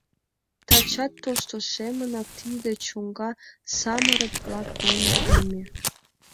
Тачат тошто семынак тиде чоҥга самырык-влак дене теме.